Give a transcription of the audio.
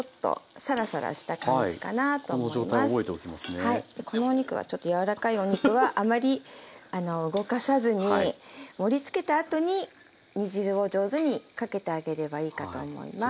はいこのお肉はちょっと柔らかいお肉はあまり動かさずに盛りつけた後に煮汁を上手にかけてあげればいいかと思います。